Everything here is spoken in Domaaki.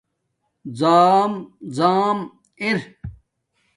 زام زام ار